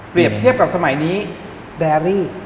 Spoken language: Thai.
เปรียบเทียบกับสมัยนี้แดรี่